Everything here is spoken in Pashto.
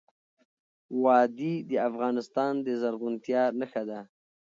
وادي د افغانستان د زرغونتیا نښه ده.